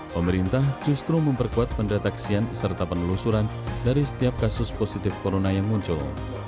pemerintah justru memperkuat pendeteksian serta penelusuran dari setiap kasus positif corona yang muncul